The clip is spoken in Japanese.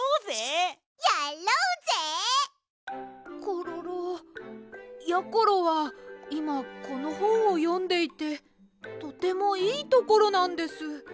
コロロやころはいまこのほんをよんでいてとてもいいところなんです。